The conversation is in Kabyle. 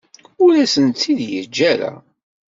Ur asent-t-id-yeǧǧa ara.